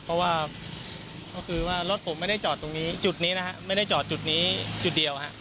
เพราะว่ารถผมไม่ได้จอดตรงนี้จุดนี้นะครับไม่ได้จอดจุดนี้จุดเดียวครับ